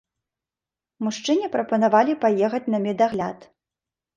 Мужчыне прапанавалі паехаць на медагляд.